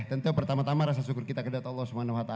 tentu pertama tama rasa syukur kita kepada allah swt